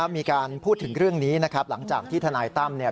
มีการพูดถึงเรื่องนี้นะครับหลังจากที่ทนายตั้มเนี่ย